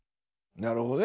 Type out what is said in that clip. なるほどね。